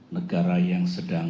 negara yang sedang